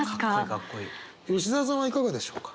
吉澤さんはいかがでしょうか。